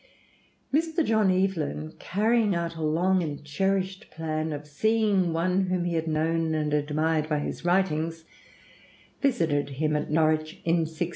] Mr. John Evelyn, carrying out a long and cherished plan of seeing one whom he had known and admired by his writings, visited him at Norwich in 1671.